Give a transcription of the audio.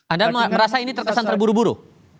anda merasa ini terkesan terburu buru